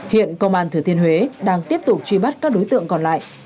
hiện công an thừa thiên huế đang tiếp tục truy bắt các đối tượng còn lại